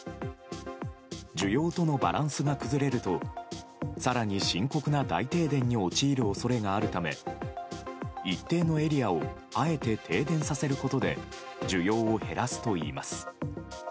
需要とのバランスが崩れると更に深刻な大停電に陥る恐れがあるため一定のエリアをあえて停電させることで需要を減らすといいます。